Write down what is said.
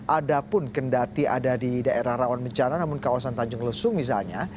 ada pun kendati ada di daerah rawan bencana namun kawasan tanjung lesung misalnya